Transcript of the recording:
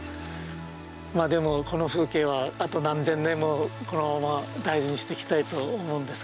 まあでもこの風景はあと何千年もこのまま大事にしていきたいと思うんですけどね。